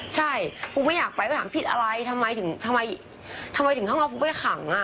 ใช่ฟุ๊กไม่อยากไปก็ถามฟิดอะไรทำไมถึงข้างล่างฟุ๊กไปขัง